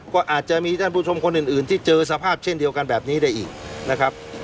ก็อาจจะมีท่านผู้ชมคนอื่นที่เจอสภาพเช่นเดียวกันแบบนี้ได้อีกนะครับ